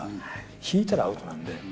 引いたらアウトなんで。